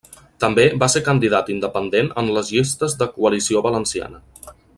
També va ser candidat independent en les llistes de Coalició Valenciana.